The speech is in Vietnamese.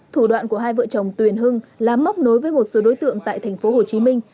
thủ đoạn của hai vợ chồng tuyền hưng là móc nối với một số đối tượng tại thành phố hồ chí minh